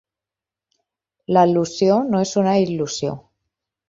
L'al·lusió no és una il·lusió.